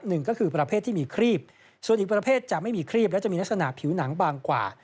หนึ่งก็คือประเภทที่มีครีบส่วนอีกประเภทจะไม่มีครีบและจะมีลักษณะผิวหนังบางกว่า